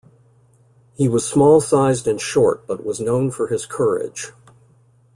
He was small-sized and short but was known for his courage.